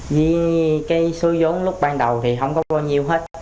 vì cái số giống lúc ban đầu thì không có bao nhiêu hết